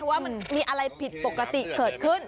ว่ามันมีอะไรผิดปกติเกิดขึ้น